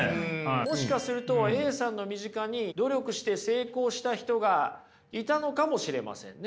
もしかするとＡさんの身近に努力して成功した人がいたのかもしれませんね。